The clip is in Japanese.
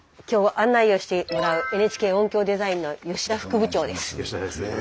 きょう案内をしてもらうＮＨＫ音響デザインの吉田副部長です。